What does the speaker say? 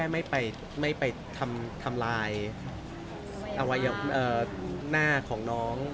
ไม่ไปทำลายหน้าของน้อง